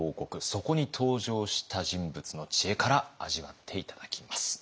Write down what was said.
そこに登場した人物の知恵から味わって頂きます。